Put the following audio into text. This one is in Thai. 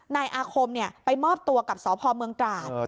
นายอาคมไปมอบตัวกับสพเมืองตราด